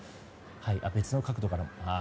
別の角度から。